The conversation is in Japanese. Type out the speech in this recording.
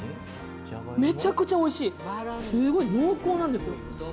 めちゃくちゃおいしいすごい濃厚なんですよ